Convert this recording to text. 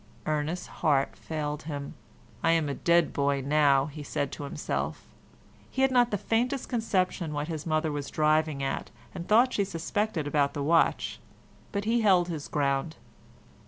Ernest's heart failed him. "I am a dead boy now," he said to himself. He had not the faintest conception what his mother was driving at, and thought she suspected about the watch; but he held his ground.